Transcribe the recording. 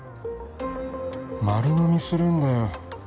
丸のみするんだよ